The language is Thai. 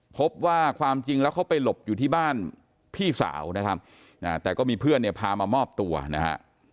พบว่าความจริงแล้วเขาไปหลบอยู่ที่บ้านพี่สาวนะครับแต่ก็มีเพื่อนเนี่ยพามามอบตัวนะฮะ